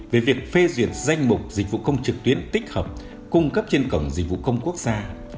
về việc phê duyệt danh mục dịch vụ công trực tuyến tích hợp cung cấp trên cổng dịch vụ công quốc gia